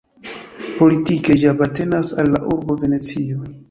Politike ĝi apartenas al la urbo Venecio.